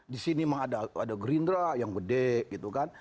disini mah ada gerindra yang gede gitu kan